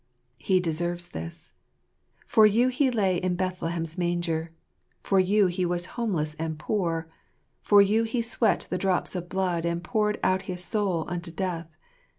He deserves this. For you He lay in Bethlehem's manger. For you He was homeless and poor. For you He sweat the drops of blood and poured out his soul unto death.